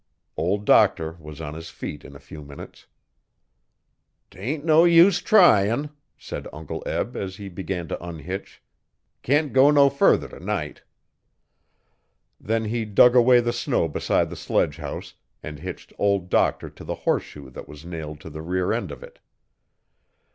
Old Doctor was on his feet in a few minutes. ''Tain' no use tryin',' said Uncle Eb, as he began to unhitch. 'Can't go no further t'night.' Then he dug away the snow beside the sledgehouse, and hitched Old Doctor to the horseshoe that was nailed to the rear end of it.